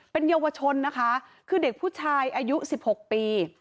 เป็นเยาวชนนะคะคือเด็กผู้ชายอายุ๑๖ปี